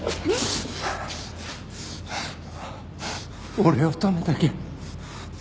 俺を止めたきゃ